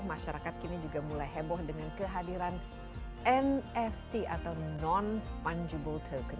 masyarakat kini juga mulai heboh dengan kehadiran nft atau non fungible turking